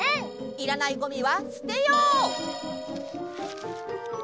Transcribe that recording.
いらないゴミはすてよう！